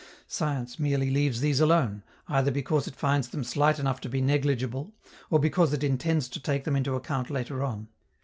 Science merely leaves these alone, either because it finds them slight enough to be negligible, or because it intends to take them into account later on.